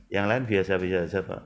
yang lain biasa biasa saja pak